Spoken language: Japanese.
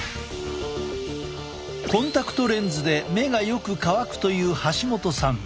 コンタクトレンズで目がよく乾くという橋本さん。